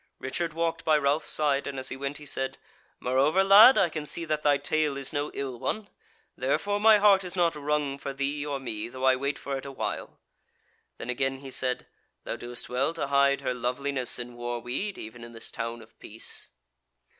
Richard walked by Ralph's side, and as he went he said: "Moreover, lad, I can see that thy tale is no ill one; therefore my heart is not wrung for thee or me, though I wait for it a while." Then again he said: "Thou doest well to hide her loveliness in war weed even in this town of peace."